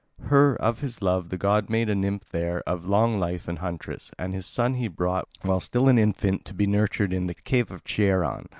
Her, of his love, the god made a nymph there, of long life and a huntress, and his son he brought while still an infant to be nurtured in the cave of Cheiron.